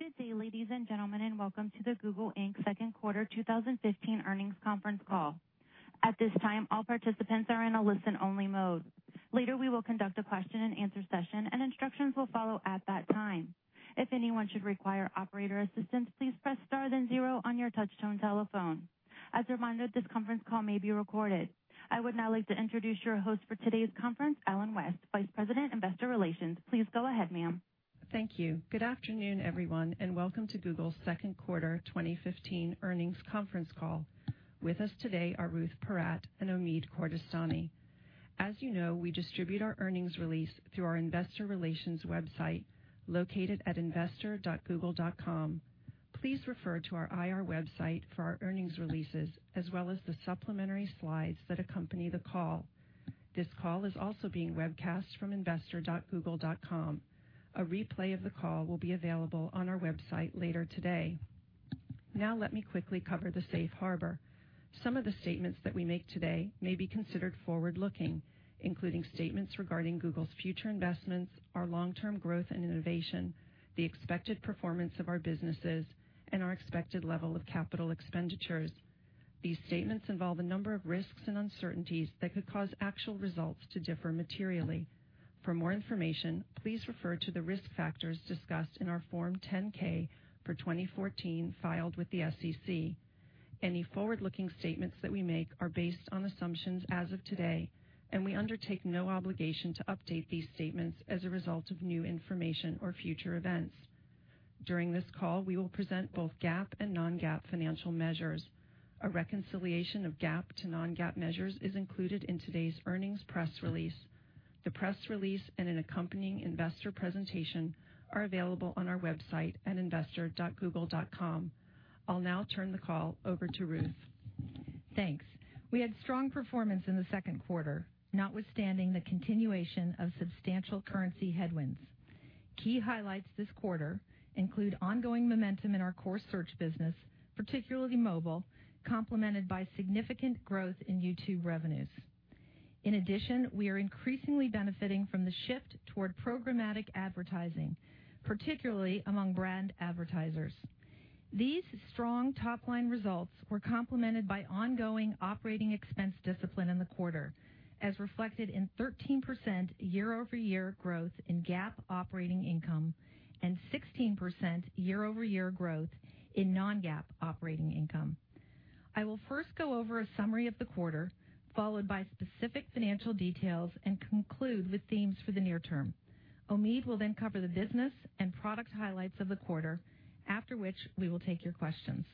Good day, ladies and gentlemen, and welcome to the Google Inc second quarter 2015 earnings conference call. At this time, all participants are in a listen-only mode. Later, we will conduct a question-and-answer session, and instructions will follow at that time. If anyone should require operator assistance, please press star then zero on your touch-tone telephone. As a reminder, this conference call may be recorded. I would now like to introduce your host for today's conference, Ellen West, Vice President, Investor Relations. Please go ahead, ma'am. Thank you. Good afternoon, everyone, and welcome to Google's Second Quarter 2015 Earnings Conference Call. With us today are Ruth Porat and Omid Kordestani. As you know, we distribute our earnings release through our Investor Relations website located at investor.google.com. Please refer to our IR website for our earnings releases, as well as the supplementary slides that accompany the call. This call is also being webcast from investor.google.com. A replay of the call will be available on our website later today. Now, let me quickly cover the safe harbor. Some of the statements that we make today may be considered forward-looking, including statements regarding Google's future investments, our long-term growth and innovation, the expected performance of our businesses, and our expected level of capital expenditures. These statements involve a number of risks and uncertainties that could cause actual results to differ materially. For more information, please refer to the risk factors discussed in our Form 10-K for 2014 filed with the SEC. Any forward-looking statements that we make are based on assumptions as of today, and we undertake no obligation to update these statements as a result of new information or future events. During this call, we will present both GAAP and non-GAAP financial measures. A reconciliation of GAAP to non-GAAP measures is included in today's earnings press release. The press release and an accompanying investor presentation are available on our website at investor.google.com. I'll now turn the call over to Ruth. Thanks. We had strong performance in the second quarter, notwithstanding the continuation of substantial currency headwinds. Key highlights this quarter include ongoing momentum in our core search business, particularly mobile, complemented by significant growth in YouTube revenues. In addition, we are increasingly benefiting from the shift toward programmatic advertising, particularly among brand advertisers. These strong top-line results were complemented by ongoing operating expense discipline in the quarter, as reflected in 13% year-over-year growth in GAAP operating income and 16% year-over-year growth in non-GAAP operating income. I will first go over a summary of the quarter, followed by specific financial details, and conclude with themes for the near term. Omid will then cover the business and product highlights of the quarter, after which we will take your questions.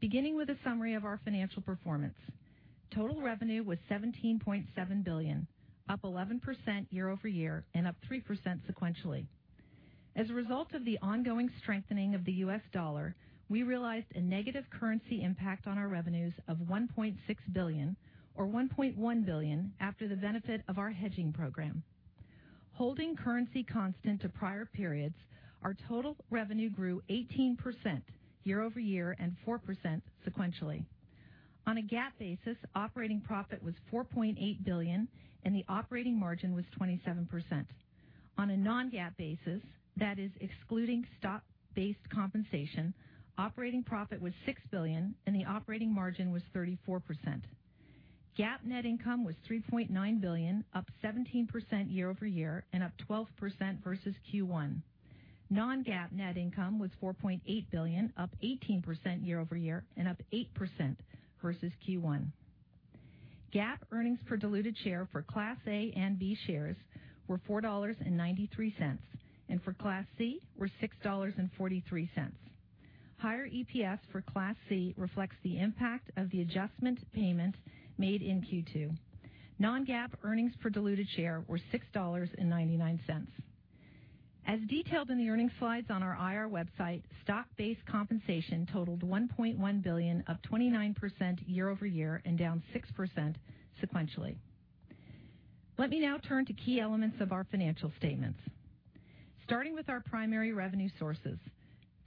Beginning with a summary of our financial performance, total revenue was $17.7 billion, up 11% year-over-year and up 3% sequentially. As a result of the ongoing strengthening of the U.S. dollar, we realized a negative currency impact on our revenues of $1.6 billion, or $1.1 billion, after the benefit of our hedging program. Holding currency constant to prior periods, our total revenue grew 18% year-over-year and 4% sequentially. On a GAAP basis, operating profit was $4.8 billion, and the operating margin was 27%. On a non-GAAP basis, that is excluding stock-based compensation, operating profit was $6 billion, and the operating margin was 34%. GAAP net income was $3.9 billion, up 17% year-over-year and up 12% versus Q1. Non-GAAP net income was $4.8 billion, up 18% year-over-year and up 8% versus Q1. GAAP earnings per diluted share for Class A and B shares were $4.93, and for Class C were $6.43. Higher EPS for Class C reflects the impact of the adjustment payment made in Q2. Non-GAAP earnings per diluted share were $6.99. As detailed in the earnings slides on our IR website, stock-based compensation totaled $1.1 billion, up 29% year-over-year and down 6% sequentially. Let me now turn to key elements of our financial statements. Starting with our primary revenue sources,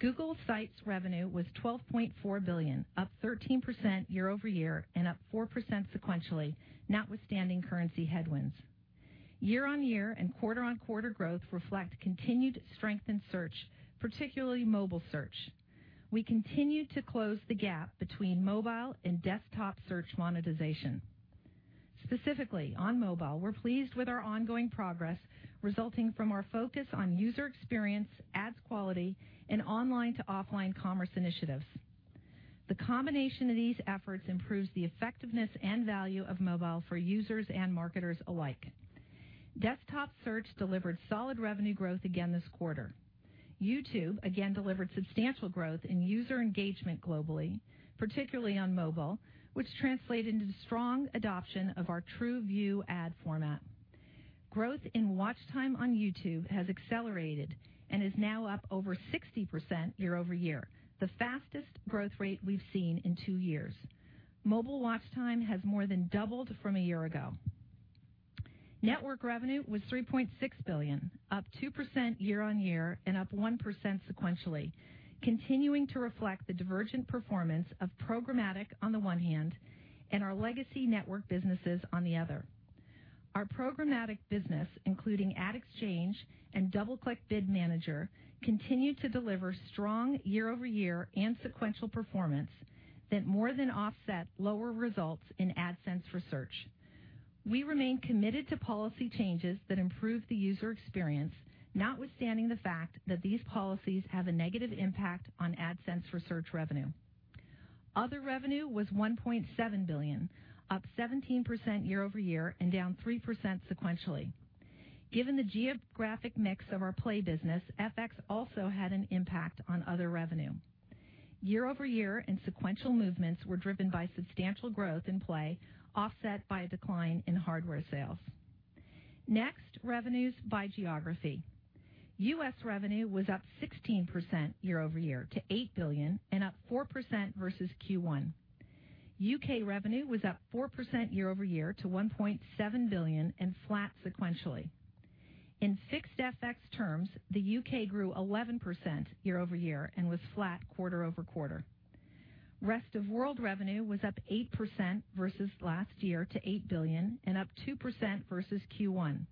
Google Sites revenue was $12.4 billion, up 13% year-over-year and up 4% sequentially, notwithstanding currency headwinds. Year-on-year and quarter-on-quarter growth reflect continued strength in search, particularly mobile search. We continued to close the gap between mobile and desktop search monetization. Specifically, on mobile, we're pleased with our ongoing progress resulting from our focus on user experience, ads quality, and online to offline commerce initiatives. The combination of these efforts improves the effectiveness and value of mobile for users and marketers alike. Desktop search delivered solid revenue growth again this quarter. YouTube again delivered substantial growth in user engagement globally, particularly on mobile, which translated into strong adoption of our TrueView ad format. Growth in watch time on YouTube has accelerated and is now up over 60% year-over-year, the fastest growth rate we've seen in two years. Mobile watch time has more than doubled from a year ago. Network revenue was $3.6 billion, up 2% year-over-year and up 1% sequentially, continuing to reflect the divergent performance of programmatic on the one hand and our legacy network businesses on the other. Our programmatic business, including Ad Exchange and DoubleClick Bid Manager, continued to deliver strong year-over-year and sequential performance that more than offset lower results in AdSense for Search. We remain committed to policy changes that improve the user experience, notwithstanding the fact that these policies have a negative impact on AdSense for Search revenue. Other revenue was $1.7 billion, up 17% year-over-year and down 3% sequentially. Given the geographic mix of our Play business, FX also had an impact on other revenue. Year-over-year and sequential movements were driven by substantial growth in Play, offset by a decline in hardware sales. Next, revenues by geography. U.S. revenue was up 16% year-over-year to $8 billion and up 4% versus Q1. U.K. revenue was up 4% year-over-year to $1.7 billion and flat sequentially. In fixed FX terms, the U.K. grew 11% year-over-year and was flat quarter-over-quarter. Rest of World revenue was up 8% versus last year to $8 billion and up 2% versus Q1.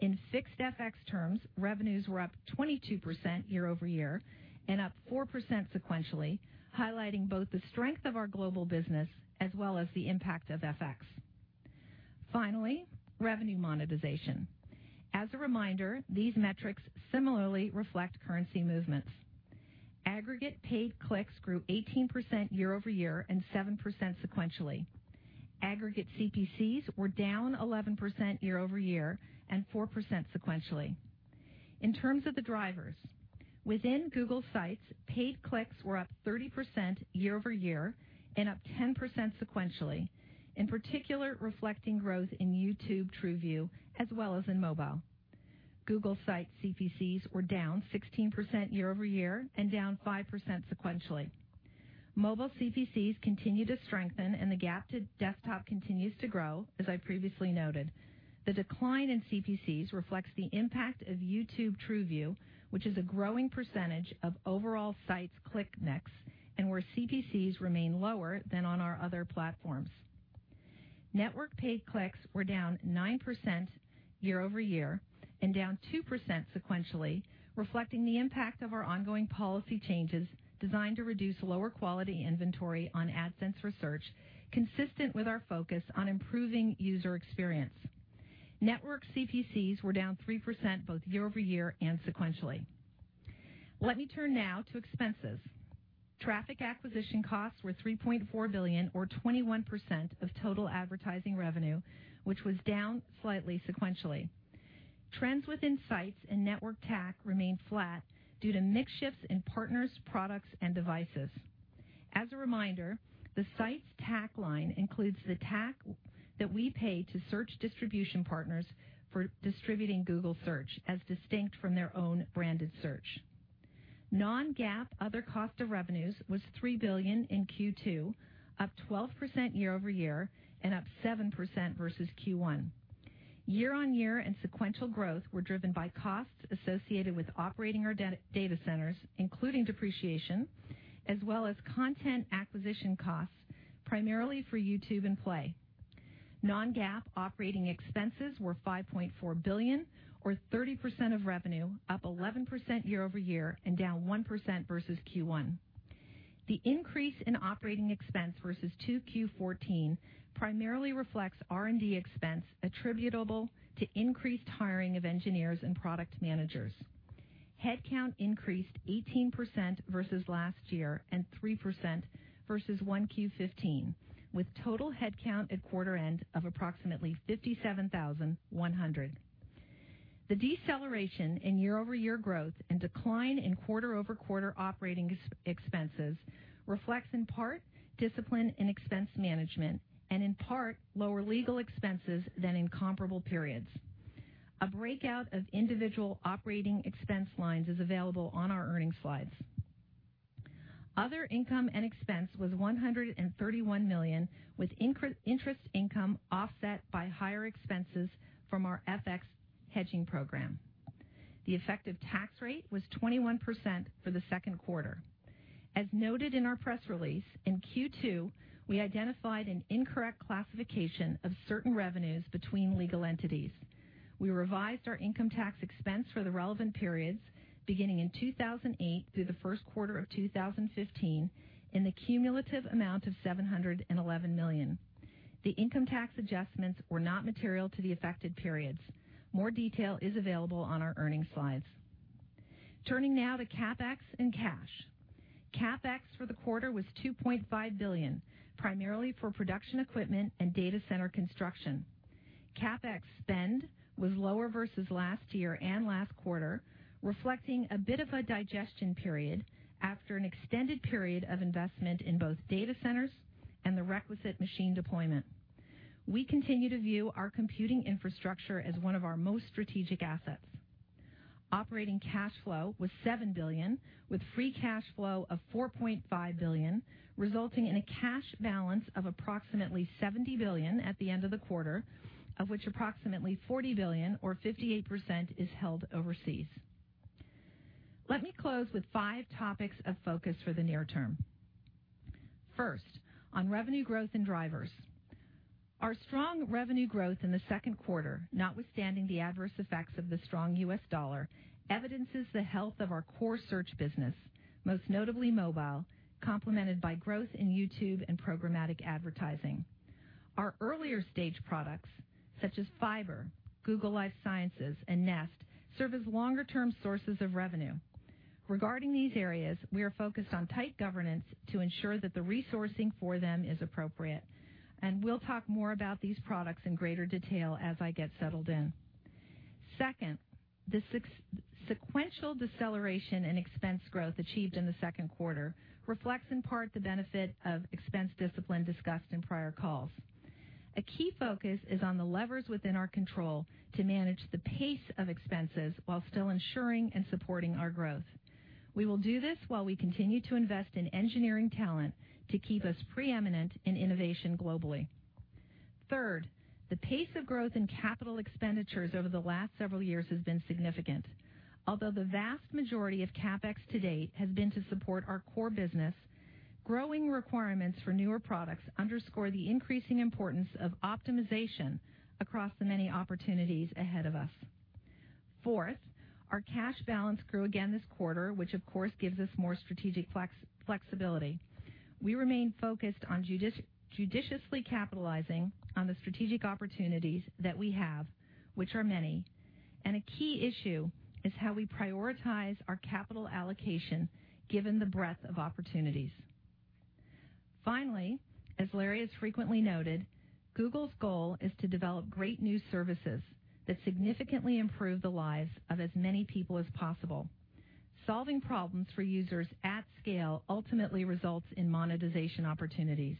In fixed FX terms, revenues were up 22% year-over-year and up 4% sequentially, highlighting both the strength of our global business as well as the impact of FX. Finally, revenue monetization. As a reminder, these metrics similarly reflect currency movements. Aggregate paid clicks grew 18% year-over-year and 7% sequentially. Aggregate CPCs were down 11% year-over-year and 4% sequentially. In terms of the drivers, within Google Sites, paid clicks were up 30% year-over-year and up 10% sequentially, in particular reflecting growth in YouTube TrueView as well as in mobile. Google Sites CPCs were down 16% year-over-year and down 5% sequentially. Mobile CPCs continue to strengthen, and the gap to desktop continues to grow, as I previously noted. The decline in CPCs reflects the impact of YouTube TrueView, which is a growing percentage of overall sites' click mix, and where CPCs remain lower than on our other platforms. Network paid clicks were down 9% year-over-year and down 2% sequentially, reflecting the impact of our ongoing policy changes designed to reduce lower quality inventory on AdSense for Search, consistent with our focus on improving user experience. Network CPCs were down 3% both year-over-year and sequentially. Let me turn now to expenses. Traffic acquisition costs were $3.4 billion, or 21% of total advertising revenue, which was down slightly sequentially. Trends within Sites and Network TAC remained flat due to mix shifts in partners, products, and devices. As a reminder, the Sites TAC line includes the TAC that we pay to search distribution partners for distributing Google search, as distinct from their own branded search. Non-GAAP other cost of revenues was $3 billion in Q2, up 12% year-over-year and up 7% versus Q1. Year-on-year and sequential growth were driven by costs associated with operating our data centers, including depreciation, as well as content acquisition costs, primarily for YouTube and Play. Non-GAAP operating expenses were $5.4 billion, or 30% of revenue, up 11% year-over-year and down 1% versus Q1. The increase in operating expense versus 2Q14 primarily reflects R&D expense attributable to increased hiring of engineers and product managers. Headcount increased 18% versus last year and 3% versus 1Q15, with total headcount at quarter-end of approximately 57,100. The deceleration in year-over-year growth and decline in quarter-over-quarter operating expenses reflects in part discipline in expense management and in part lower legal expenses than in comparable periods. A breakout of individual operating expense lines is available on our earnings slides. Other income and expense was $131 million, with interest income offset by higher expenses from our FX hedging program. The effective tax rate was 21% for the second quarter. As noted in our press release, in Q2, we identified an incorrect classification of certain revenues between legal entities. We revised our income tax expense for the relevant periods, beginning in 2008 through the first quarter of 2015, in the cumulative amount of $711 million. The income tax adjustments were not material to the affected periods. More detail is available on our earnings slides. Turning now to CapEx and cash. CapEx for the quarter was $2.5 billion, primarily for production equipment and data center construction. CapEx spend was lower versus last year and last quarter, reflecting a bit of a digestion period after an extended period of investment in both data centers and the requisite machine deployment. We continue to view our computing infrastructure as one of our most strategic assets. Operating cash flow was $7 billion, with free cash flow of $4.5 billion, resulting in a cash balance of approximately $70 billion at the end of the quarter, of which approximately $40 billion, or 58%, is held overseas. Let me close with five topics of focus for the near term. First, on revenue growth and drivers. Our strong revenue growth in the second quarter, notwithstanding the adverse effects of the strong U.S. dollar, evidences the health of our core search business, most notably mobile, complemented by growth in YouTube and programmatic advertising. Our earlier stage products, such as Google Fiber, Google Life Sciences, and Nest, serve as longer-term sources of revenue. Regarding these areas, we are focused on tight governance to ensure that the resourcing for them is appropriate, and we'll talk more about these products in greater detail as I get settled in. Second, the sequential deceleration in expense growth achieved in the second quarter reflects in part the benefit of expense discipline discussed in prior calls. A key focus is on the levers within our control to manage the pace of expenses while still ensuring and supporting our growth. We will do this while we continue to invest in engineering talent to keep us preeminent in innovation globally. Third, the pace of growth in capital expenditures over the last several years has been significant. Although the vast majority of CapEx to date has been to support our core business, growing requirements for newer products underscore the increasing importance of optimization across the many opportunities ahead of us. Fourth, our cash balance grew again this quarter, which of course gives us more strategic flexibility. We remain focused on judiciously capitalizing on the strategic opportunities that we have, which are many, and a key issue is how we prioritize our capital allocation given the breadth of opportunities. Finally, as Larry has frequently noted, Google's goal is to develop great new services that significantly improve the lives of as many people as possible. Solving problems for users at scale ultimately results in monetization opportunities.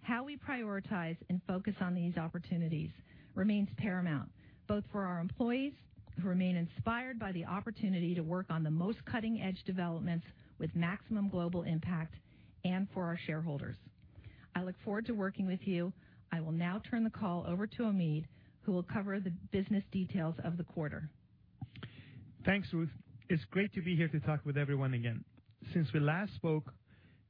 How we prioritize and focus on these opportunities remains paramount, both for our employees, who remain inspired by the opportunity to work on the most cutting-edge developments with maximum global impact, and for our shareholders. I look forward to working with you. I will now turn the call over to Omid, who will cover the business details of the quarter. Thanks, Ruth. It's great to be here to talk with everyone again. Since we last spoke,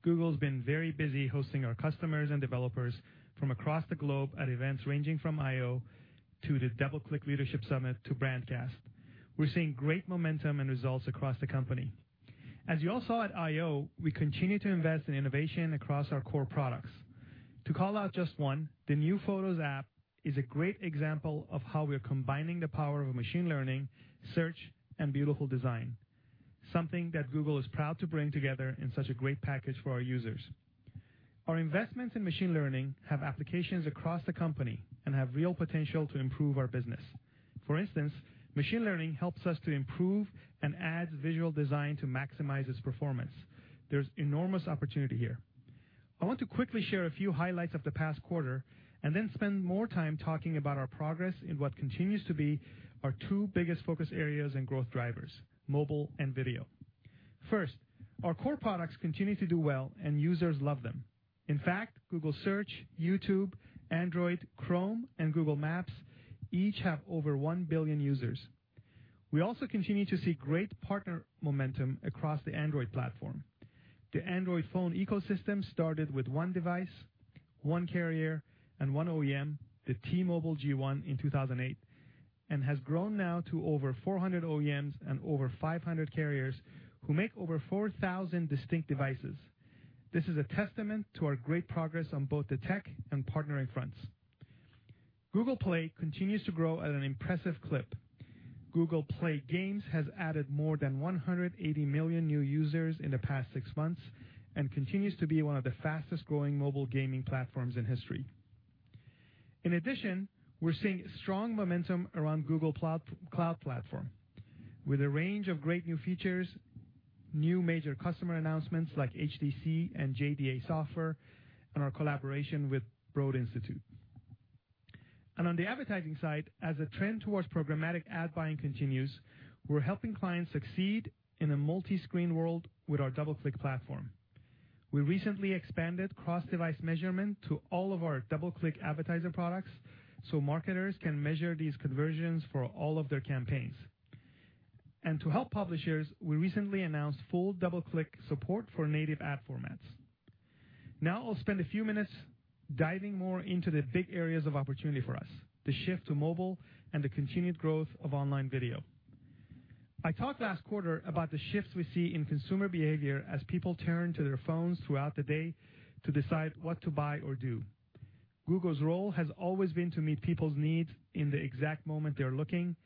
Google's been very busy hosting our customers and developers from across the globe at events ranging from I/O to the DoubleClick Leadership Summit to Brandcast. We're seeing great momentum and results across the company. As you all saw at I/O, we continue to invest in innovation across our core products. To call out just one, the new Photos app is a great example of how we're combining the power of machine learning, search, and beautiful design, something that Google is proud to bring together in such a great package for our users. Our investments in machine learning have applications across the company and have real potential to improve our business. For instance, machine learning helps us to improve and add visual design to maximize its performance. There's enormous opportunity here. I want to quickly share a few highlights of the past quarter and then spend more time talking about our progress in what continues to be our two biggest focus areas and growth drivers: mobile and video. First, our core products continue to do well, and users love them. In fact, Google Search, YouTube, Android, Chrome, and Google Maps each have over one billion users. We also continue to see great partner momentum across the Android platform. The Android phone ecosystem started with one device, one carrier, and one OEM, the T-Mobile G1, in 2008, and has grown now to over 400 OEMs and over 500 carriers who make over 4,000 distinct devices. This is a testament to our great progress on both the tech and partnering fronts. Google Play continues to grow at an impressive clip. Google Play Games has added more than 180 million new users in the past six months and continues to be one of the fastest-growing mobile gaming platforms in history. In addition, we're seeing strong momentum around Google Cloud Platform, with a range of great new features, new major customer announcements like HTC and JDA Software, and our collaboration with Broad Institute. And on the advertising side, as a trend towards programmatic ad buying continues, we're helping clients succeed in a multi-screen world with our DoubleClick platform. We recently expanded cross-device measurement to all of our DoubleClick advertiser products so marketers can measure these conversions for all of their campaigns. And to help publishers, we recently announced full DoubleClick support for native ad formats. Now I'll spend a few minutes diving more into the big areas of opportunity for us: the shift to mobile and the continued growth of online video. I talked last quarter about the shifts we see in consumer behavior as people turn to their phones throughout the day to decide what to buy or do. Google's role has always been to meet people's needs in the exact moment they're looking,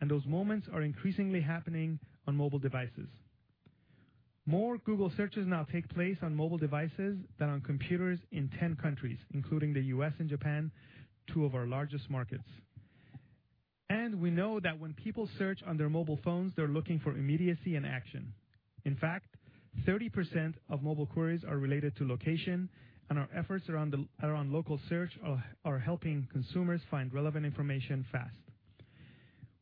and those moments are increasingly happening on mobile devices. More Google searches now take place on mobile devices than on computers in 10 countries, including the U.S. and Japan, two of our largest markets. And we know that when people search on their mobile phones, they're looking for immediacy and action. In fact, 30% of mobile queries are related to location, and our efforts around local search are helping consumers find relevant information fast.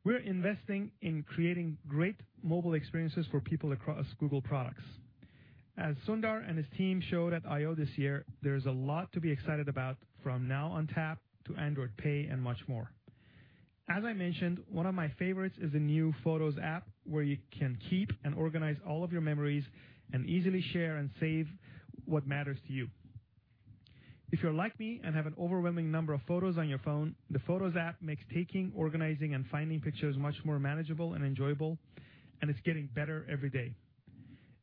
We're investing in creating great mobile experiences for people across Google products. As Sundar and his team showed at I/O this year, there's a lot to be excited about from Now on Tap to Android Pay and much more. As I mentioned, one of my favorites is the new Photos app, where you can keep and organize all of your memories and easily share and save what matters to you. If you're like me and have an overwhelming number of photos on your phone, the Photos app makes taking, organizing, and finding pictures much more manageable and enjoyable, and it's getting better every day.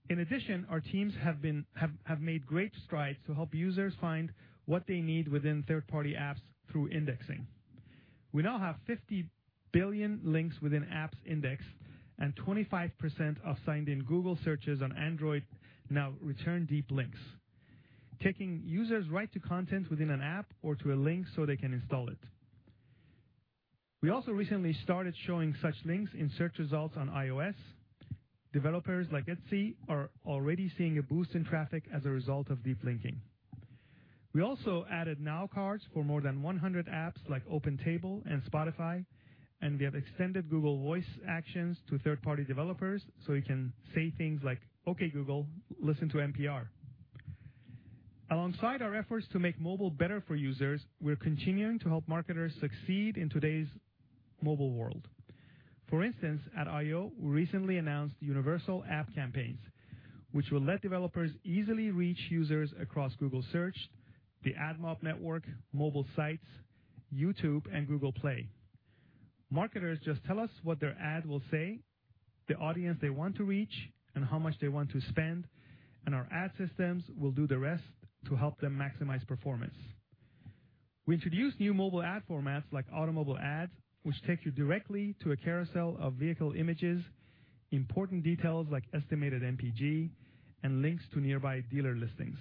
In addition, our teams have made great strides to help users find what they need within third-party apps through indexing. We now have 50 billion links within apps indexed, and 25% of signed-in Google searches on Android now return deep links, taking users right to content within an app or to a link so they can install it. We also recently started showing such links in search results on iOS. Developers like Etsy are already seeing a boost in traffic as a result of deep linking. We also added Now Cards for more than 100 apps like OpenTable and Spotify, and we have extended Google Voice Actions to third-party developers so you can say things like, "Okay, Google, listen to NPR." Alongside our efforts to make mobile better for users, we're continuing to help marketers succeed in today's mobile world. For instance, at I/O, we recently announced Universal App Campaigns, which will let developers easily reach users across Google Search, the AdMob network, mobile sites, YouTube, and Google Play. Marketers just tell us what their ad will say, the audience they want to reach, and how much they want to spend, and our ad systems will do the rest to help them maximize performance. We introduced new mobile ad formats like automobile ads, which take you directly to a carousel of vehicle images, important details like estimated MPG, and links to nearby dealer listings,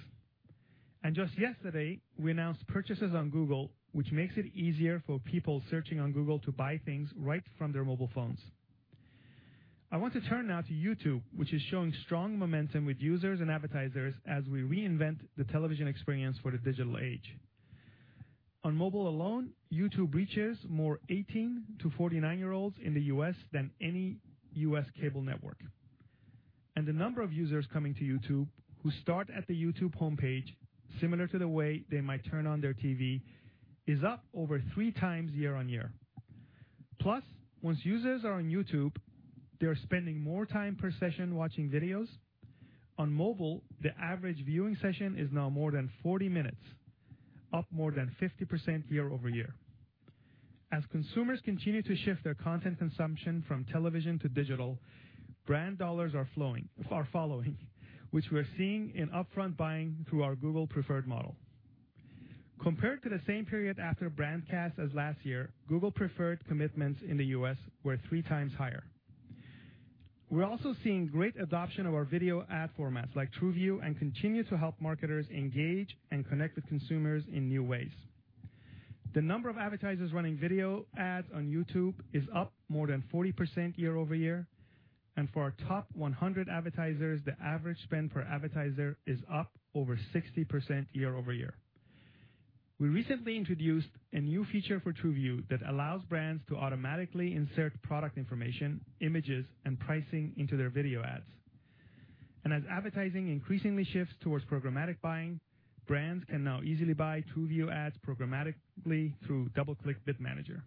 and just yesterday, we announced Purchases on Google, which makes it easier for people searching on Google to buy things right from their mobile phones. I want to turn now to YouTube, which is showing strong momentum with users and advertisers as we reinvent the television experience for the digital age. On mobile alone, YouTube reaches more 18-to-49-year-olds in the U.S. than any U.S. cable network, and the number of users coming to YouTube who start at the YouTube homepage, similar to the way they might turn on their TV, is up over three times year on year. Plus, once users are on YouTube, they're spending more time per session watching videos. On mobile, the average viewing session is now more than 40 minutes, up more than 50% year over year. As consumers continue to shift their content consumption from television to digital, brand dollars are following, which we're seeing in upfront buying through our Google Preferred model. Compared to the same period after Brandcast as last year, Google Preferred commitments in the U.S. were three times higher. We're also seeing great adoption of our video ad formats like TrueView and continue to help marketers engage and connect with consumers in new ways. The number of advertisers running video ads on YouTube is up more than 40% year over year, and for our top 100 advertisers, the average spend per advertiser is up over 60% year over year. We recently introduced a new feature for TrueView that allows brands to automatically insert product information, images, and pricing into their video ads. As advertising increasingly shifts towards programmatic buying, brands can now easily buy TrueView ads programmatically through DoubleClick Bid Manager.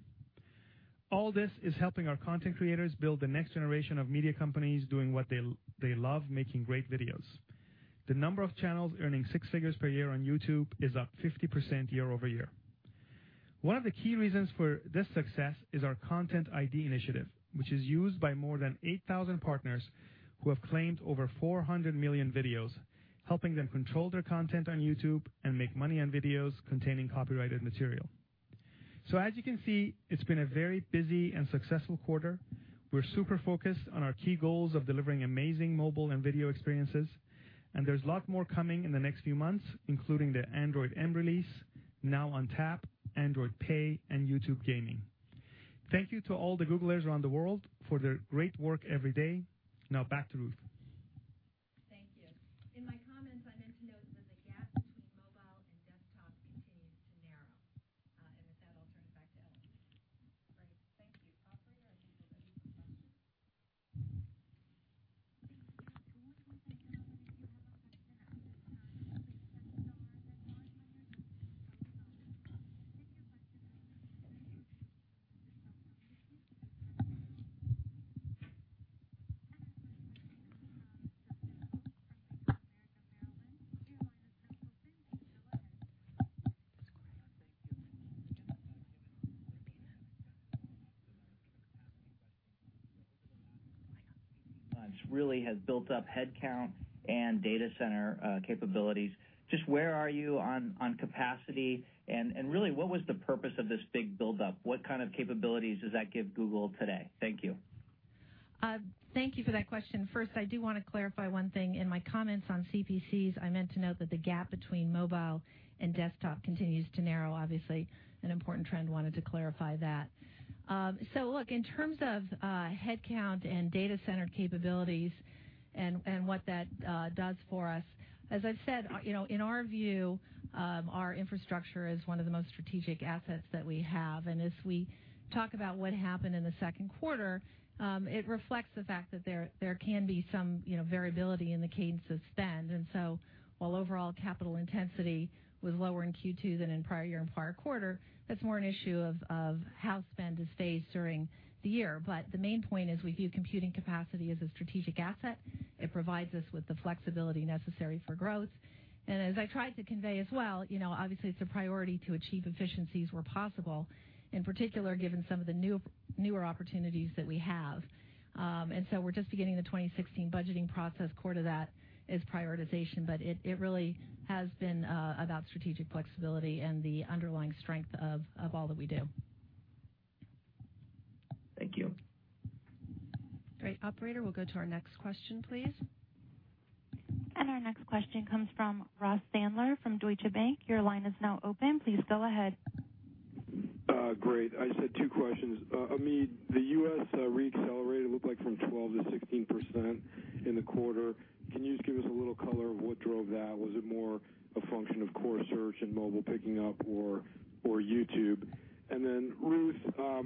All this is helping our content creators build the next generation of media companies doing what they love, making great videos. The number of channels earning six figures per year on YouTube is up 50% year over year. One of the key reasons for this success is our Content ID initiative, which is used by more than 8,000 partners who have claimed over 400 million videos, helping them control their content on YouTube and make money on videos containing copyrighted material. As you can see, it's been a very busy and successful quarter. We're super focused on our key goals of delivering amazing mobile and video experiences, and there's a lot more coming in the next few months, including the Android M release, Now on Tap, Android Pay, and YouTube Gaming. Thank you to all the Googlers around the world for their great work every day. Now back to Ruth. so look, in terms of headcount and data center capabilities and what that does for us, as I've said, in our view, our infrastructure is one of the most strategic assets that we have, and as we talk about what happened in the second quarter, it reflects the fact that there can be some variability in the cadence of spend, and so while overall capital intensity was lower in Q2 than in prior year and prior quarter, that's more an issue of how spend is phased during the year, but the main point is we view computing capacity as a strategic asset. It provides us with the flexibility necessary for growth, and as I tried to convey as well, obviously, it's a priority to achieve efficiencies where possible, in particular given some of the newer opportunities that we have, and so we're just beginning the 2016 budgeting process. Core to that is prioritization, but it really has been about strategic flexibility and the underlying strength of all that we do. Thank you. Great. Operator, we'll go to our next question, please. Our next question comes from Ross Sandler from Deutsche Bank. Your line is now open. Please go ahead. Great. I just had two questions. Omid, the US re-accelerated, it looked like, from 12%-16% in the quarter. Can you just give us a little color of what drove that? Was it more a function of Core Search and mobile picking up or YouTube? And then Ruth, so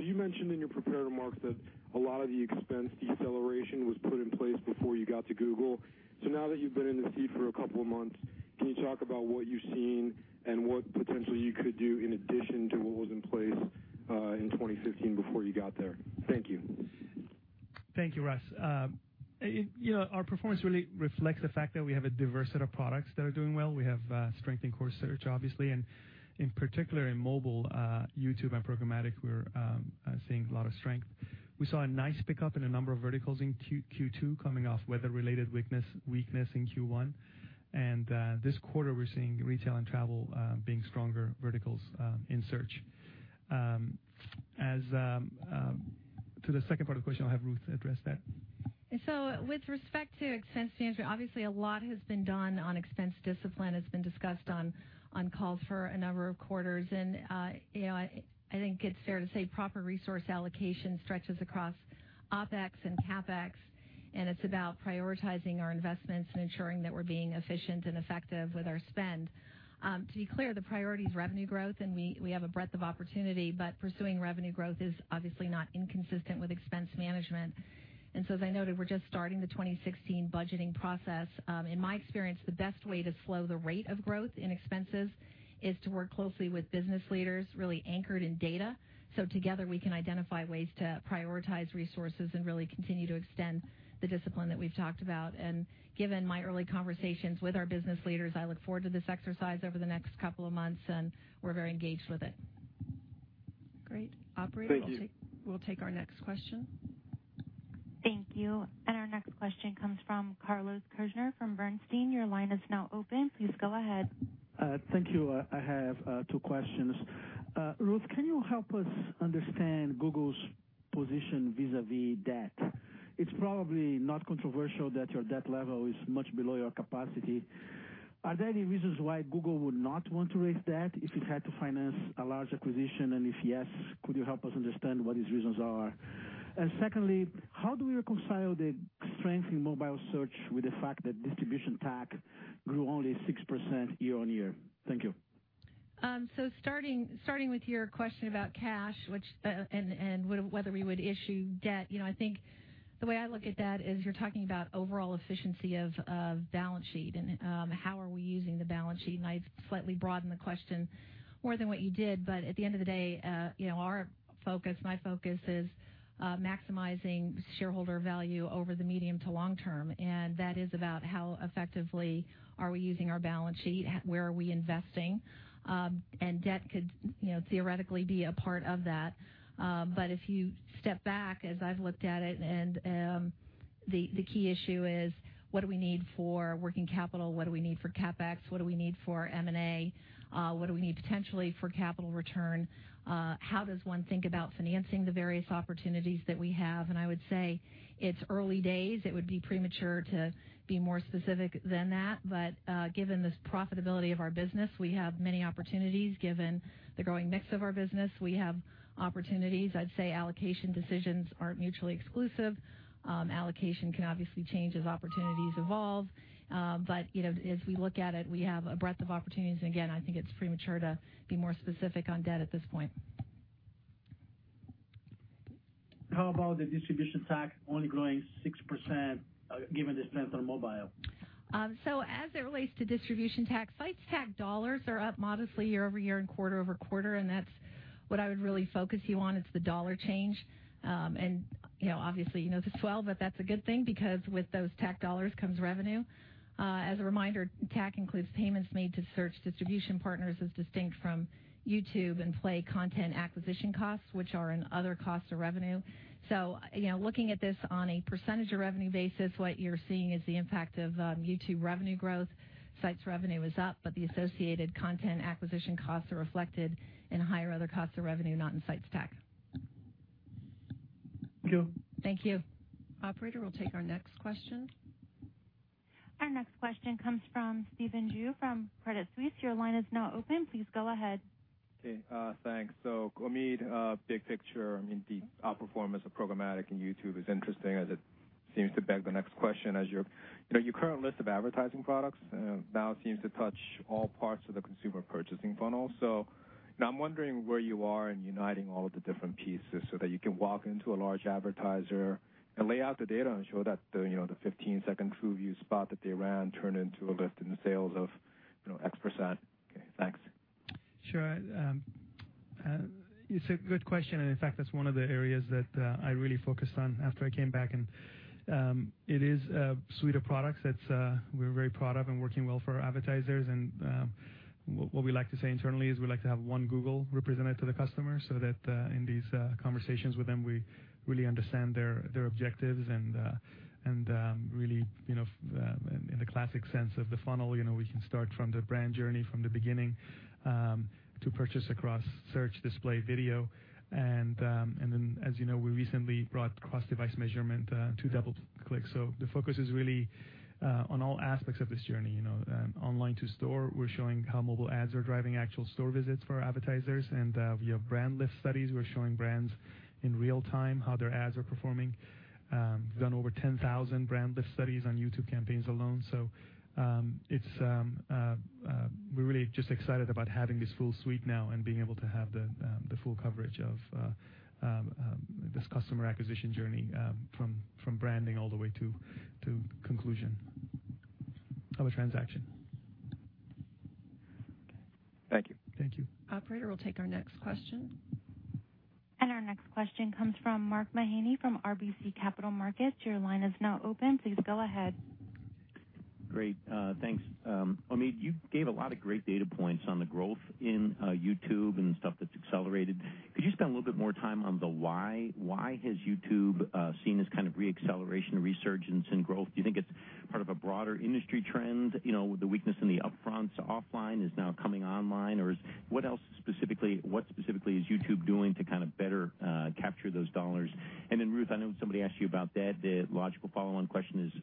you mentioned in your prepared remarks that a lot of the expense deceleration was put in place before you got to Google. So now that you've been in the seat for a couple of months, can you talk about what you've seen and what potentially you could do in addition to what was in place in 2015 before you got there? Thank you. Thank you, Ross. Our performance really reflects the fact that we have a diverse set of products that are doing well. We have strength in Core Search, obviously, and in particular in mobile, YouTube, and programmatic, we're seeing a lot of strength. We saw a nice pickup in a number of verticals in Q2 coming off weather-related weakness in Q1. And this quarter, we're seeing retail and travel being stronger verticals in search. To the second part of the question, I'll have Ruth address that. With respect to expense management, obviously, a lot has been done on expense discipline. It's been discussed on calls for a number of quarters. I think it's fair to say proper resource allocation stretches across OpEx and CapEx, and it's about prioritizing our investments and ensuring that we're being efficient and effective with our spend. To be clear, the priority is revenue growth, and we have a breadth of opportunity, but pursuing revenue growth is obviously not inconsistent with expense management. So as I noted, we're just starting the 2016 budgeting process. In my experience, the best way to slow the rate of growth in expenses is to work closely with business leaders really anchored in data. Together, we can identify ways to prioritize resources and really continue to extend the discipline that we've talked about. Given my early conversations with our business leaders, I look forward to this exercise over the next couple of months, and we're very engaged with it. Great. Operator, we'll take our next question. Thank you. And our next question comes from Carlos Kirjner from Bernstein. Your line is now open. Please go ahead. Thank you. I have two questions. Ruth, can you help us understand Google's position vis-à-vis debt? It's probably not controversial that your debt level is much below your capacity. Are there any reasons why Google would not want to raise debt if it had to finance a large acquisition? And if yes, could you help us understand what these reasons are? And secondly, how do we reconcile the strength in mobile search with the fact that distribution TAC grew only 6% year on year? Thank you. So, starting with your question about cash and whether we would issue debt, I think the way I look at that is you're talking about overall efficiency of balance sheet and how are we using the balance sheet. And I slightly broadened the question more than what you did, but at the end of the day, our focus, my focus, is maximizing shareholder value over the medium to long term. And that is about how effectively are we using our balance sheet, where are we investing? And debt could theoretically be a part of that. But if you step back, as I've looked at it, and the key issue is, what do we need for working capital? What do we need for CapEx? What do we need for M&A? What do we need potentially for capital return? How does one think about financing the various opportunities that we have? I would say it's early days. It would be premature to be more specific than that. Given the profitability of our business, we have many opportunities. Given the growing mix of our business, we have opportunities. I'd say allocation decisions aren't mutually exclusive. Allocation can obviously change as opportunities evolve. As we look at it, we have a breadth of opportunities. Again, I think it's premature to be more specific on debt at this point. How about the distribution TAC only growing 6% given the strength on mobile? So as it relates to distribution TAC, sites TAC dollars are up modestly year over year and quarter over quarter. And that's what I would really focus you on. It's the dollar change. And obviously, you know this well, but that's a good thing because with those TAC dollars comes revenue. As a reminder, TAC includes payments made to search distribution partners as distinct from YouTube and Play content acquisition costs, which are another cost of revenue. So looking at this on a percentage of revenue basis, what you're seeing is the impact of YouTube revenue growth. Sites revenue is up, but the associated content acquisition costs are reflected in higher other costs of revenue, not in sites TAC. Thank you. Thank you. Operator, we'll take our next question. Our next question comes from Stephen Ju from Credit Suisse. Your line is now open. Please go ahead. Okay. Thanks. So Omid, big picture. I mean, the outperformance of programmatic and YouTube is interesting as it seems to beg the next question. As your current list of advertising products now seems to touch all parts of the consumer purchasing funnel. So I'm wondering where you are in uniting all of the different pieces so that you can walk into a large advertiser and lay out the data and show that the 15-second TrueView spot that they ran turned into a lift in sales of X%. Okay. Thanks. Sure. It's a good question. And in fact, that's one of the areas that I really focused on after I came back. And it is a suite of products that we're very proud of and working well for our advertisers. And what we like to say internally is we like to have one Google representative to the customer so that in these conversations with them, we really understand their objectives. And really, in the classic sense of the funnel, we can start from the brand journey from the beginning to purchase across search, display, video. And then, as you know, we recently brought cross-device measurement to DoubleClick. So the focus is really on all aspects of this journey. Online to store, we're showing how mobile ads are driving actual Store Visits for our advertisers. And we have brand lift studies. We're showing brands in real time how their ads are performing. We've done over 10,000 brand lift studies on YouTube campaigns alone. So we're really just excited about having this full suite now and being able to have the full coverage of this customer acquisition journey from branding all the way to conclusion of a transaction. Thank you. Thank you. Operator, we'll take our next question. Our next question comes from Mark Mahaney from RBC Capital Markets. Your line is now open. Please go ahead. Great. Thanks. Omid, you gave a lot of great data points on the growth in YouTube and stuff that's accelerated. Could you spend a little bit more time on the why? Why has YouTube seen this kind of re-acceleration, resurgence, and growth? Do you think it's part of a broader industry trend? The weakness in the upfront to offline is now coming online. Or what specifically is YouTube doing to kind of better capture those dollars? And then Ruth, I know somebody asked you about debt. The logical follow-on question is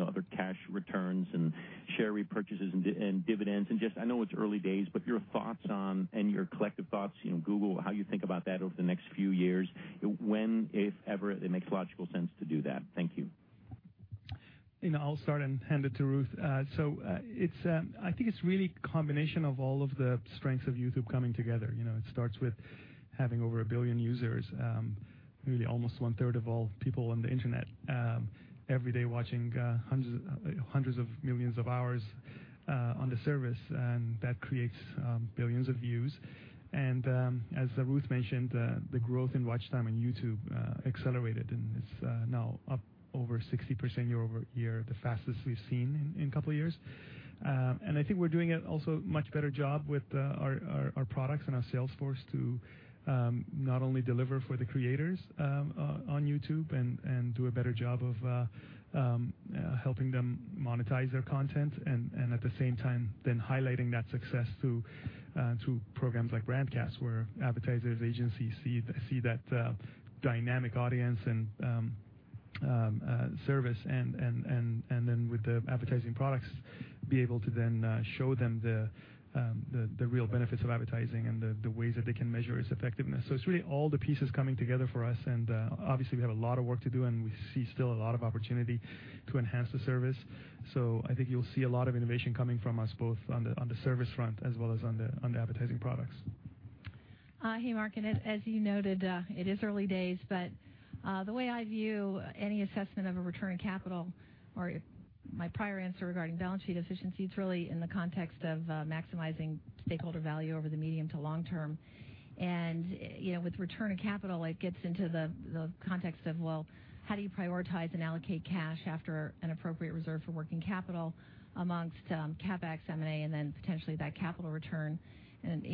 other cash returns and share repurchases and dividends. And just I know it's early days, but your thoughts on and your collective thoughts, Google, how you think about that over the next few years, when, if ever, it makes logical sense to do that? Thank you. I'll start and hand it to Ruth. So I think it's really a combination of all of the strengths of YouTube coming together. It starts with having over a billion users, really almost one-third of all people on the internet every day watching hundreds of millions of hours on the service. And that creates billions of views. And as Ruth mentioned, the growth in watch time on YouTube accelerated, and it's now up over 60% year over year, the fastest we've seen in a couple of years. And I think we're doing also a much better job with our products and our sales force to not only deliver for the creators on YouTube and do a better job of helping them monetize their content and at the same time then highlighting that success through programs like Brandcast, where advertisers' agencies see that dynamic audience and service. And then with the advertising products, be able to then show them the real benefits of advertising and the ways that they can measure its effectiveness. So it's really all the pieces coming together for us. And obviously, we have a lot of work to do, and we see still a lot of opportunity to enhance the service. So I think you'll see a lot of innovation coming from us both on the service front as well as on the advertising products. Hey, Mark. And as you noted, it is early days. But the way I view any assessment of a return on capital or my prior answer regarding balance sheet efficiency, it's really in the context of maximizing stakeholder value over the medium to long term. And with return of capital, it gets into the context of, well, how do you prioritize and allocate cash after an appropriate reserve for working capital among CapEx, M&A, and then potentially that capital return? And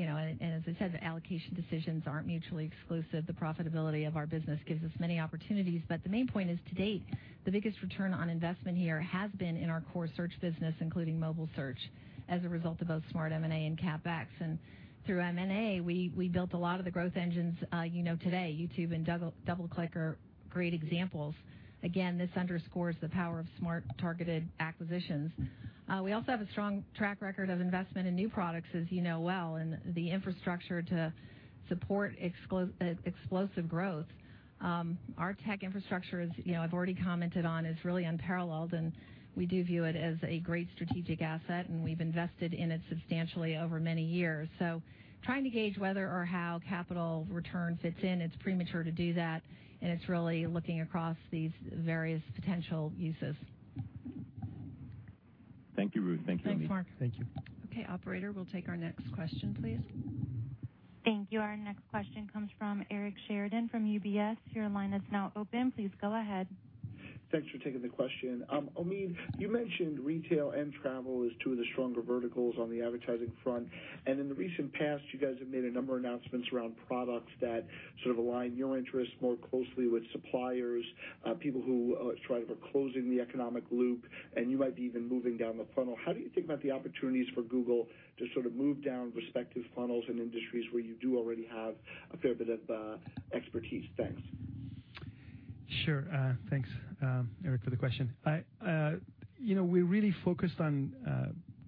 as I said, the allocation decisions aren't mutually exclusive. The profitability of our business gives us many opportunities. But the main point is, to date, the biggest return on investment here has been in our core search business, including mobile search, as a result of both smart M&A and CapEx. And through M&A, we built a lot of the growth engines you know today. YouTube and DoubleClick are great examples. Again, this underscores the power of smart targeted acquisitions. We also have a strong track record of investment in new products, as you know well, and the infrastructure to support explosive growth. Our tech infrastructure, as I've already commented on, is really unparalleled, and we do view it as a great strategic asset, and we've invested in it substantially over many years, so trying to gauge whether or how capital return fits in, it's premature to do that, and it's really looking across these various potential uses. Thank you, Ruth. Thank you, Omid. Thanks, Mark. Thank you. Okay. Operator, we'll take our next question, please. Thank you. Our next question comes from Eric Sheridan from UBS. Your line is now open. Please go ahead. Thanks for taking the question. Omid, you mentioned retail and travel as two of the stronger verticals on the advertising front, and in the recent past, you guys have made a number of announcements around products that sort of align your interests more closely with suppliers, people who are trying to close the economic loop, and you might be even moving down the funnel. How do you think about the opportunities for Google to sort of move down respective funnels and industries where you do already have a fair bit of expertise? Thanks. Sure. Thanks, Eric, for the question. We're really focused on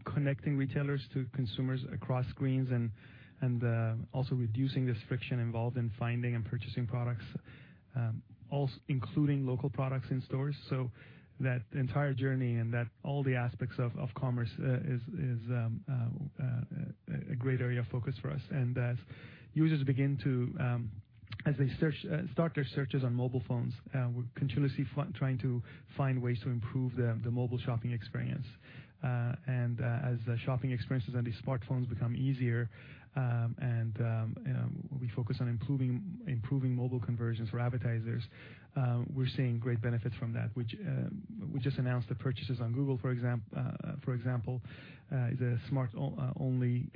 connecting retailers to consumers across screens and also reducing this friction involved in finding and purchasing products, including local products in stores. So that entire journey and all the aspects of commerce is a great area of focus for us. And as users begin to, as they start their searches on mobile phones, we continually see trying to find ways to improve the mobile shopping experience. And as shopping experiences on these smartphones become easier and we focus on improving mobile conversions for advertisers, we're seeing great benefits from that. We just announced the Purchases on Google, for example, is a smartphone-only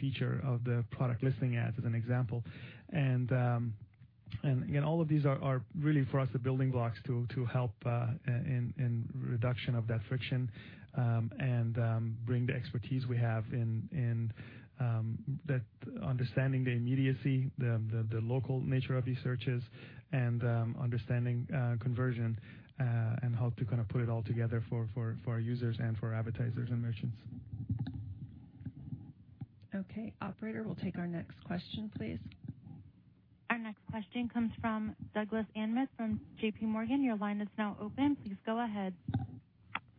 feature of the Product Listing Ads as an example. Again, all of these are really for us the building blocks to help in reduction of that friction and bring the expertise we have in understanding the immediacy, the local nature of these searches, and understanding conversion and how to kind of put it all together for our users and for our advertisers and merchants. Okay. Operator, we'll take our next question, please. Our next question comes from Douglas Anmuth from J.P. Morgan. Your line is now open. Please go ahead.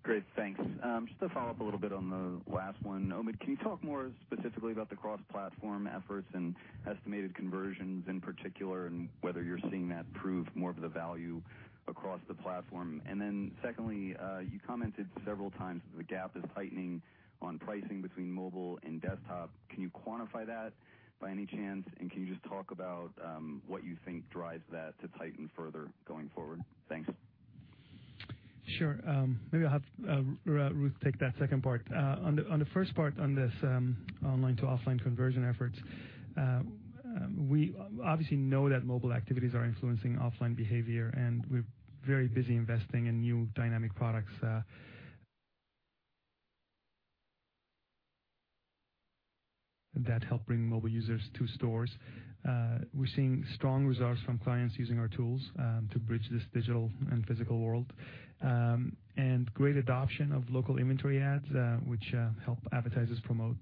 Great. Thanks. Just to follow up a little bit on the last one. Omid, can you talk more specifically about the cross-platform efforts and estimated conversions in particular and whether you're seeing that prove more of the value across the platform? And then secondly, you commented several times that the gap is tightening on pricing between mobile and desktop. Can you quantify that by any chance? And can you just talk about what you think drives that to tighten further going forward? Thanks. Sure. Maybe I'll have Ruth take that second part. On the first part on this online to offline conversion efforts, we obviously know that mobile activities are influencing offline behavior, and we're very busy investing in new dynamic products that help bring mobile users to stores. We're seeing strong results from clients using our tools to bridge this digital and physical world and great adoption of Local Inventory Ads, which help advertisers promote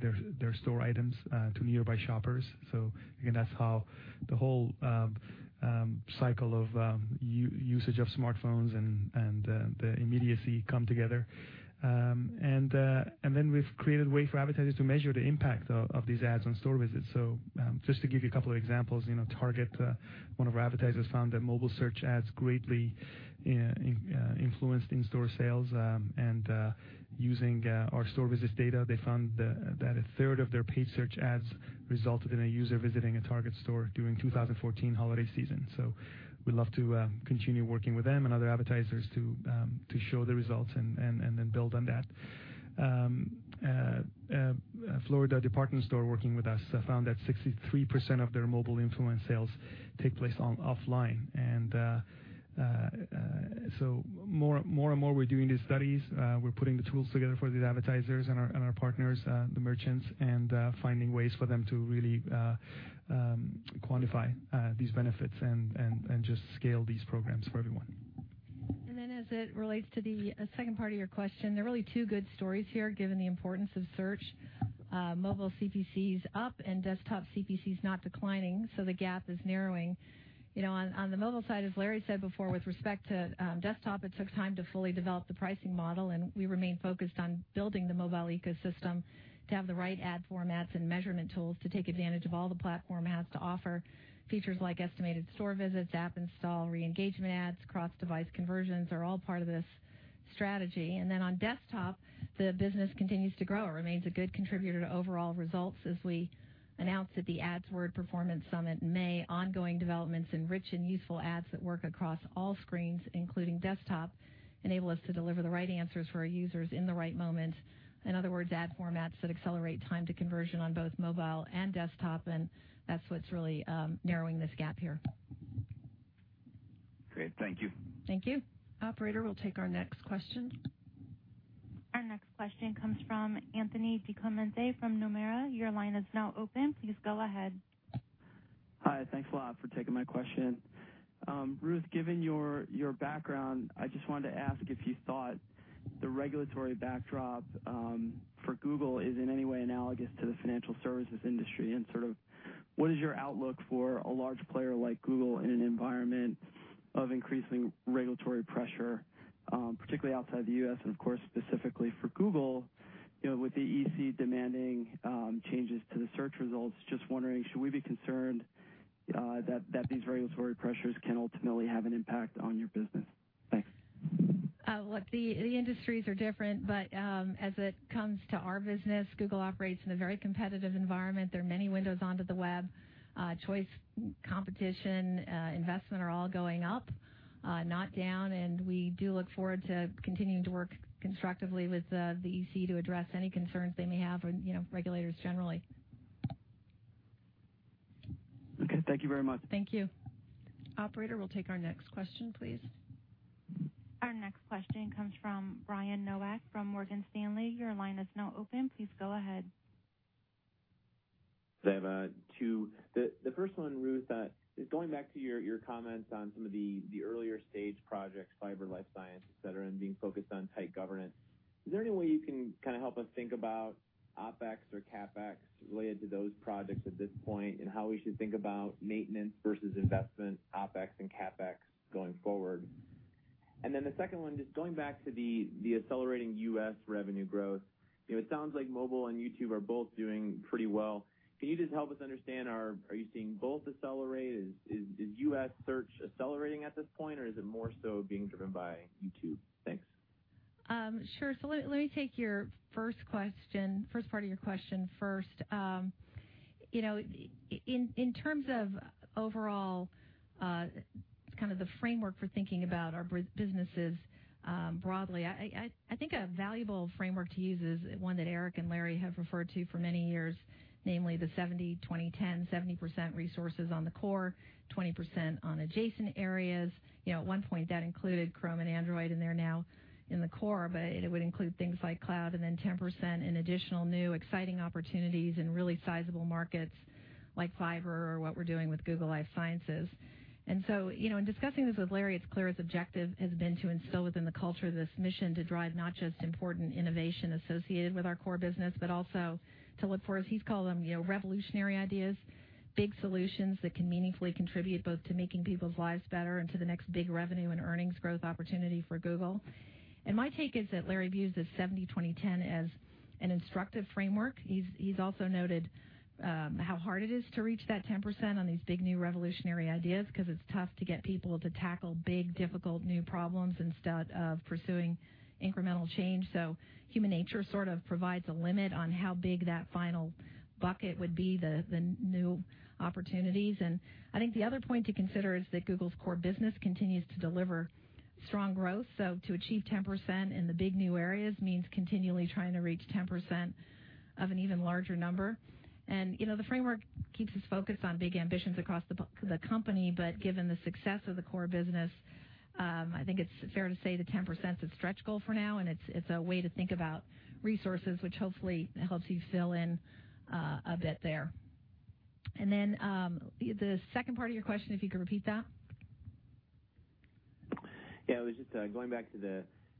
their store items to nearby shoppers, so again, that's how the whole cycle of usage of smartphones and the immediacy come together, and then we've created a way for advertisers to measure the impact of these ads on Store Visits, so just to give you a couple of examples, Target, one of our advertisers, found that mobile search ads greatly influenced in-store sales. And using our Store Visits data, they found that a third of their paid search ads resulted in a user visiting a Target store during 2014 holiday season. So we'd love to continue working with them and other advertisers to show the results and then build on that. A large department store working with us found that 63% of their mobile influence sales take place offline. And so more and more we're doing these studies. We're putting the tools together for these advertisers and our partners, the merchants, and finding ways for them to really quantify these benefits and just scale these programs for everyone. Then as it relates to the second part of your question, there are really two good stories here given the importance of search. Mobile CPCs up and desktop CPCs not declining, so the gap is narrowing. On the mobile side, as Larry said before, with respect to desktop, it took time to fully develop the pricing model, and we remained focused on building the mobile ecosystem to have the right ad formats and measurement tools to take advantage of all the platform ads to offer features like estimated Store Visits, app install, re-engagement ads, cross-device conversions are all part of this strategy. On desktop, the business continues to grow and remains a good contributor to overall results as we announced at the AdWords Performance Summit in May. Ongoing developments in rich and useful ads that work across all screens, including desktop, enable us to deliver the right answers for our users in the right moment. In other words, ad formats that accelerate time to conversion on both mobile and desktop. And that's what's really narrowing this gap here. Great. Thank you. Thank you. Operator, we'll take our next question. Our next question comes from Anthony DiClemente from Nomura. Your line is now open. Please go ahead. Hi. Thanks a lot for taking my question. Ruth, given your background, I just wanted to ask if you thought the regulatory backdrop for Google is in any way analogous to the financial services industry? And sort of what is your outlook for a large player like Google in an environment of increasing regulatory pressure, particularly outside the U.S. and, of course, specifically for Google with the EC demanding changes to the search results? Just wondering, should we be concerned that these regulatory pressures can ultimately have an impact on your business? Thanks. Look, the industries are different, but as it comes to our business, Google operates in a very competitive environment. There are many windows onto the web. Choice, competition, investment are all going up, not down, and we do look forward to continuing to work constructively with the EC to address any concerns they may have or regulators generally. Okay. Thank you very much. Thank you. Operator, we'll take our next question, please. Our next question comes from Brian Nowak from Morgan Stanley. Your line is now open. Please go ahead. They have two. The first one, Ruth, is going back to your comments on some of the earlier stage projects, Fiber, Life Sciences, etc., and being focused on tight governance. Is there any way you can kind of help us think about OpEx or CapEx related to those projects at this point and how we should think about maintenance versus investment, OpEx and CapEx going forward? And then the second one, just going back to the accelerating U.S. revenue growth, it sounds like mobile and YouTube are both doing pretty well. Can you just help us understand, are you seeing both accelerate? Is U.S. search accelerating at this point, or is it more so being driven by YouTube? Thanks. Sure. So let me take your first part of your question first. In terms of overall kind of the framework for thinking about our businesses broadly, I think a valuable framework to use is one that Eric and Larry have referred to for many years, namely the 70/20/10, 70% resources on the core, 20% on adjacent areas. At one point, that included Chrome and Android in there now in the core, but it would include things like cloud and then 10% in additional new exciting opportunities and really sizable markets like Fiber or what we're doing with Google Life Sciences. And so in discussing this with Larry, it's clear his objective has been to instill within the culture of this mission to drive not just important innovation associated with our core business, but also to look for, as he's called them, revolutionary ideas, big solutions that can meaningfully contribute both to making people's lives better and to the next big revenue and earnings growth opportunity for Google. And my take is that Larry views this 70/20/10 as an instructive framework. He's also noted how hard it is to reach that 10% on these big new revolutionary ideas because it's tough to get people to tackle big, difficult new problems instead of pursuing incremental change. So human nature sort of provides a limit on how big that final bucket would be, the new opportunities. I think the other point to consider is that Google's core business continues to deliver strong growth. To achieve 10% in the big new areas means continually trying to reach 10% of an even larger number. The framework keeps us focused on big ambitions across the company, but given the success of the core business, I think it's fair to say the 10%'s a stretch goal for now, and it's a way to think about resources, which hopefully helps you fill in a bit there. The second part of your question, if you could repeat that. Yeah. It was just going back to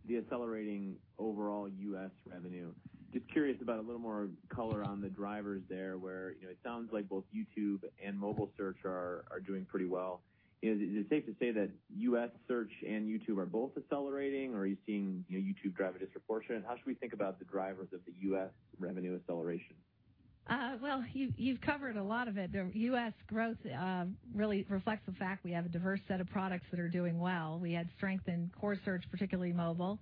the accelerating overall U.S. revenue. Just curious about a little more color on the drivers there where it sounds like both YouTube and mobile search are doing pretty well. Is it safe to say that U.S. search and YouTube are both accelerating, or are you seeing YouTube drive a disproportionate? How should we think about the drivers of the U.S. revenue acceleration? You've covered a lot of it. The US growth really reflects the fact we have a diverse set of products that are doing well. We had strength in core search, particularly mobile.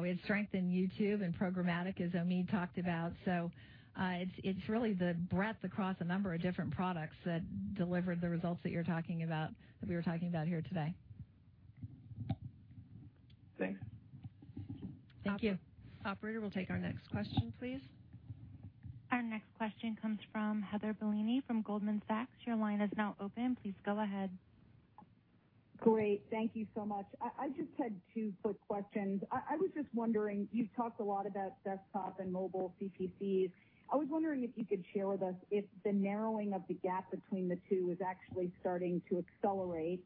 We had strength in YouTube and programmatic, as Omid talked about. So it's really the breadth across a number of different products that delivered the results that you're talking about, that we were talking about here today. Thanks. Thank you. Operator, we'll take our next question, please. Our next question comes from Heather Bellini from Goldman Sachs. Your line is now open. Please go ahead. Great. Thank you so much. I just had two quick questions. I was just wondering, you've talked a lot about desktop and mobile CPCs. I was wondering if you could share with us if the narrowing of the gap between the two is actually starting to accelerate.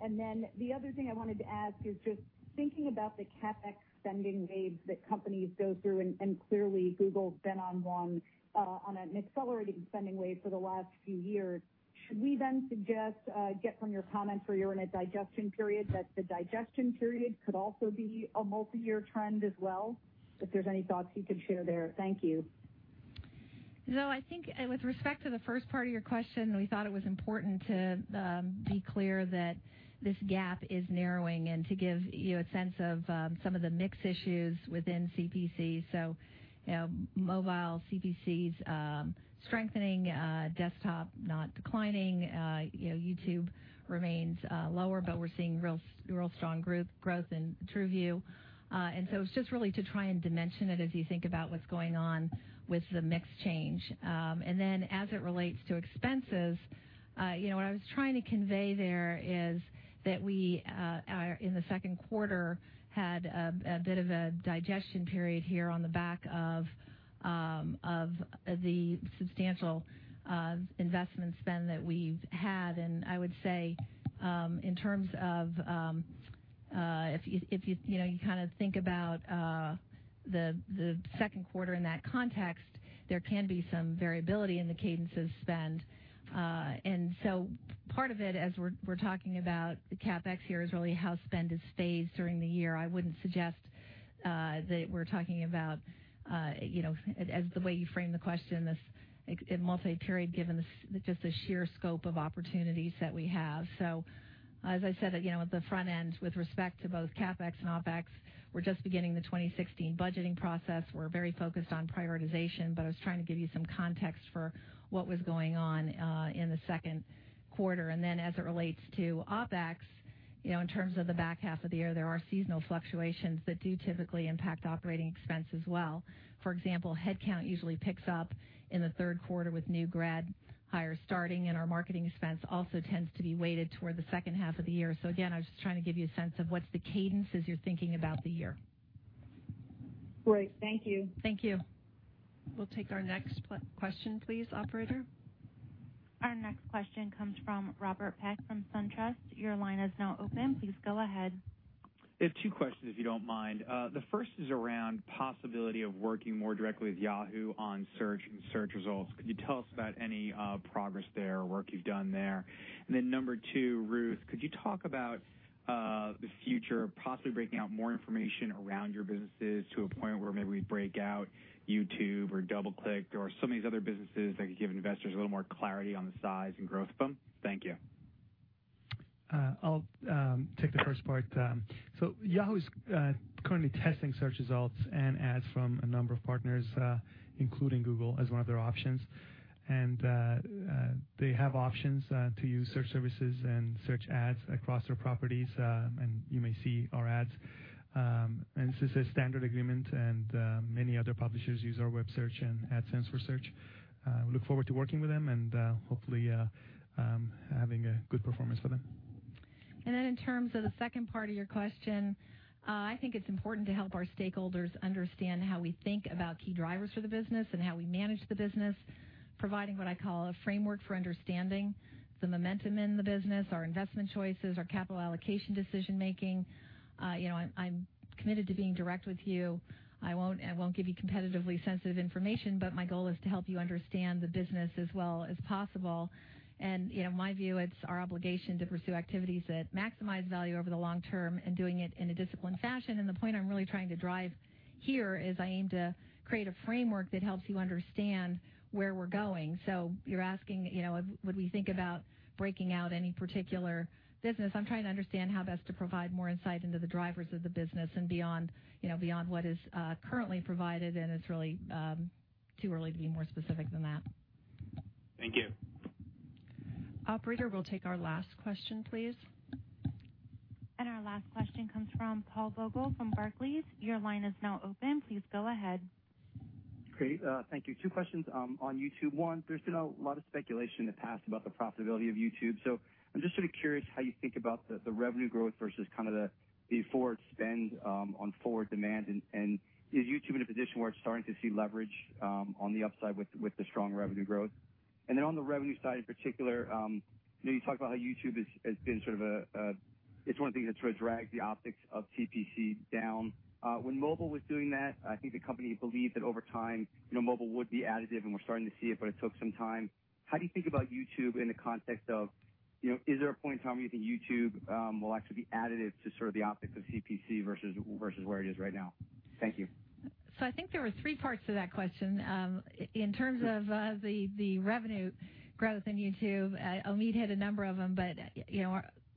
And then the other thing I wanted to ask is just thinking about the CapEx spending waves that companies go through, and clearly Google's been on an accelerating spending wave for the last few years. Should we then suggest, get from your comments where you're in a digestion period, that the digestion period could also be a multi-year trend as well? If there's any thoughts you could share there. Thank you. So I think with respect to the first part of your question, we thought it was important to be clear that this gap is narrowing and to give you a sense of some of the mix issues within CPC. So mobile CPCs strengthening, desktop not declining, YouTube remains lower, but we're seeing real strong growth in TrueView. And so it's just really to try and dimension it as you think about what's going on with the mix change. And then as it relates to expenses, what I was trying to convey there is that we, in the second quarter, had a bit of a digestion period here on the back of the substantial investment spend that we've had. And I would say in terms of if you kind of think about the second quarter in that context, there can be some variability in the cadences spend. And so part of it, as we're talking about the CapEx here, is really how spend is phased during the year. I wouldn't suggest that we're talking about, as the way you frame the question, this multi-period given just the sheer scope of opportunities that we have. So as I said, at the front end, with respect to both CapEx and OpEx, we're just beginning the 2016 budgeting process. We're very focused on prioritization, but I was trying to give you some context for what was going on in the second quarter. And then as it relates to OpEx, in terms of the back half of the year, there are seasonal fluctuations that do typically impact operating expense as well. For example, headcount usually picks up in the third quarter with new grad hires starting, and our marketing expense also tends to be weighted toward the second half of the year. So again, I was just trying to give you a sense of what's the cadence as you're thinking about the year. Great. Thank you. Thank you. We'll take our next question, please, Operator. Our next question comes from Robert Peck from SunTrust. Your line is now open. Please go ahead. We have two questions, if you don't mind. The first is around the possibility of working more directly with Yahoo on search and search results. Could you tell us about any progress there or work you've done there? And then number two, Ruth, could you talk about the future, possibly breaking out more information around your businesses to a point where maybe we break out YouTube or DoubleClick or some of these other businesses that could give investors a little more clarity on the size and growth of them? Thank you. I'll take the first part. So Yahoo is currently testing search results and ads from a number of partners, including Google, as one of their options. And they have options to use search services and search ads across their properties, and you may see our ads. And this is a standard agreement, and many other publishers use our web search and AdSense for Search. We look forward to working with them and hopefully having a good performance for them. And then in terms of the second part of your question, I think it's important to help our stakeholders understand how we think about key drivers for the business and how we manage the business, providing what I call a framework for understanding the momentum in the business, our investment choices, our capital allocation decision-making. I'm committed to being direct with you. I won't give you competitively sensitive information, but my goal is to help you understand the business as well as possible. And my view, it's our obligation to pursue activities that maximize value over the long term and doing it in a disciplined fashion. And the point I'm really trying to drive here is I aim to create a framework that helps you understand where we're going. So you're asking, would we think about breaking out any particular business? I'm trying to understand how best to provide more insight into the drivers of the business and beyond what is currently provided, and it's really too early to be more specific than that. Thank you. Operator, we'll take our last question, please. And our last question comes from Paul Vogel from Barclays. Your line is now open. Please go ahead. Great. Thank you. Two questions on YouTube. One, there's been a lot of speculation in the past about the profitability of YouTube. So I'm just sort of curious how you think about the revenue growth versus kind of the forward spend on forward demand, and is YouTube in a position where it's starting to see leverage on the upside with the strong revenue growth? And then on the revenue side in particular, you talked about how YouTube has been sort of a, it's one of the things that sort of dragged the optics of CPC down. When mobile was doing that, I think the company believed that over time, mobile would be additive, and we're starting to see it, but it took some time. How do you think about YouTube in the context of, is there a point in time where you think YouTube will actually be additive to sort of the optics of CPC versus where it is right now? Thank you. So I think there were three parts to that question. In terms of the revenue growth in YouTube, Omid hit a number of them, but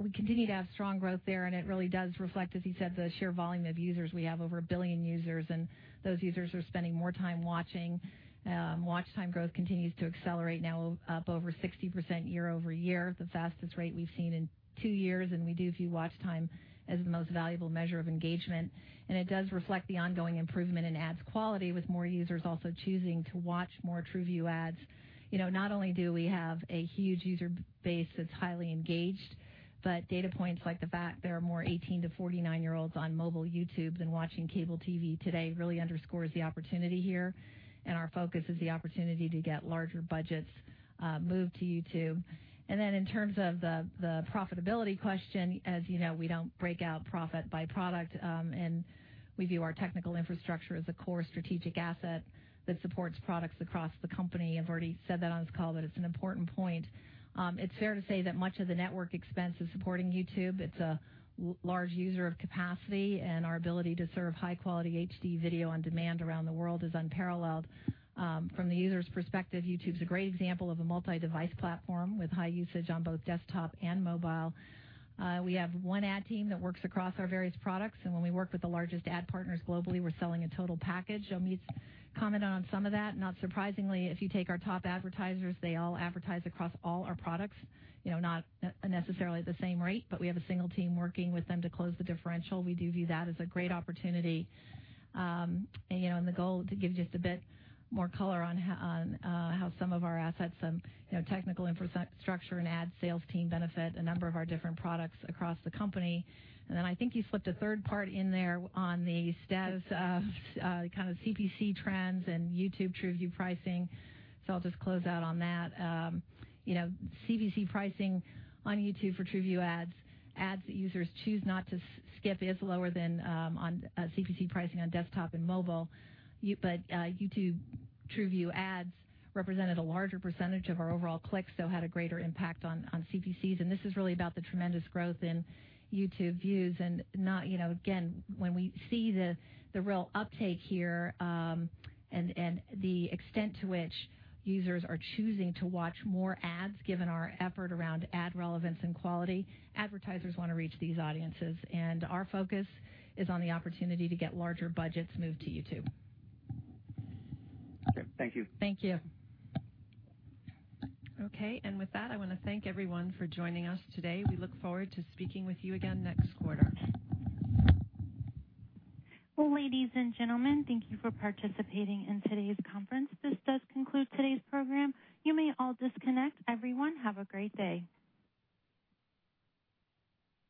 we continue to have strong growth there, and it really does reflect, as he said, the sheer volume of users. We have over a billion users, and those users are spending more time watching. Watch time growth continues to accelerate now up over 60% year over year, the fastest rate we've seen in two years, and we do view watch time as the most valuable measure of engagement. And it does reflect the ongoing improvement in ads quality with more users also choosing to watch more TrueView ads. Not only do we have a huge user base that's highly engaged, but data points like the fact there are more 18-49-year-olds on mobile YouTube than watching cable TV today really underscores the opportunity here. Our focus is the opportunity to get larger budgets moved to YouTube. Then in terms of the profitability question, as you know, we don't break out profit by product, and we view our technical infrastructure as a core strategic asset that supports products across the company. I've already said that on this call, but it's an important point. It's fair to say that much of the network expense is supporting YouTube. It's a large user of capacity, and our ability to serve high-quality HD video on demand around the world is unparalleled. From the user's perspective, YouTube's a great example of a multi-device platform with high usage on both desktop and mobile. We have one ad team that works across our various products, and when we work with the largest ad partners globally, we're selling a total package. Omid's commented on some of that. Not surprisingly, if you take our top advertisers, they all advertise across all our products, not necessarily at the same rate, but we have a single team working with them to close the differential. We do view that as a great opportunity. And the goal, to give you just a bit more color on how some of our assets and technical infrastructure and ad sales team benefit a number of our different products across the company. And then I think you slipped a third part in there on the status of kind of CPC trends and YouTube TrueView pricing. So I'll just close out on that. CPC pricing on YouTube for TrueView ads, ads that users choose not to skip, is lower than CPC pricing on desktop and mobile. But YouTube TrueView ads represented a larger percentage of our overall clicks, so had a greater impact on CPCs. This is really about the tremendous growth in YouTube views. Again, when we see the real uptake here and the extent to which users are choosing to watch more ads, given our effort around ad relevance and quality, advertisers want to reach these audiences. Our focus is on the opportunity to get larger budgets moved to YouTube. Okay. Thank you. Thank you. Okay. And with that, I want to thank everyone for joining us today. We look forward to speaking with you again next quarter. Ladies and gentlemen, thank you for participating in today's conference. This does conclude today's program. You may all disconnect. Everyone, have a great day.